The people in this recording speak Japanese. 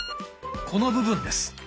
この部分です。